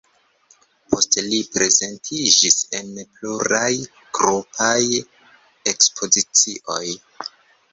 Poste li prezentiĝis en pluraj grupaj ekspozicioj.